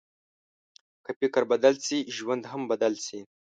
که فکر بدل شي، ژوند هم بدل شي.